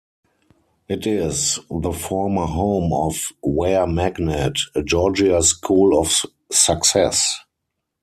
It is the former home of Ware Magnet, a Georgia School of Success.